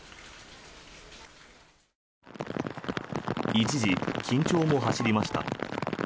一時、緊張も走りました。